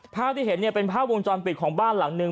ภาพที่เห็นเนี่ยเป็นภาพวงจรปิดของบ้านหลังหนึ่ง